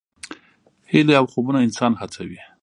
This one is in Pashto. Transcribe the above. هیلې او خوبونه انسان هڅوي.